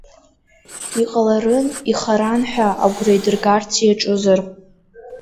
Иҟаларын ихаран ҳәа агәра идыргарц иаҿызар.